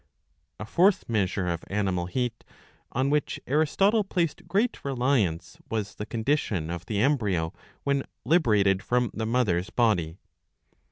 A fourth measure of animal heat, on which Aristotle placed great • DAfmdyiiA reliance, was the condition of the embry o when liberated from the mother's body.